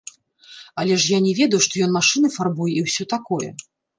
Але ж я не ведаў, што ён машыны фарбуе і ўсё такое!